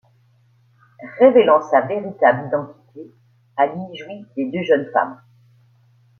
Révélant sa véritable identité, Ali jouit des deux jeunes femmes.